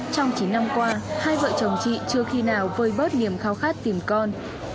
trong chín năm qua hai vợ chồng chị chưa khi nào vơi bớt niềm khao khát tìm con